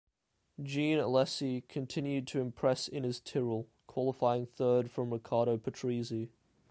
Jean Alesi continued to impress in his Tyrrell, qualifying third from Riccardo Patrese.